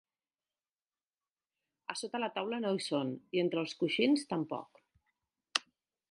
A sota la taula no hi són, i entre els coixins tampoc.